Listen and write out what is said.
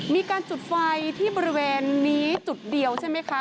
มีการจุดไฟที่บริเวณนี้จุดเดียวใช่ไหมคะ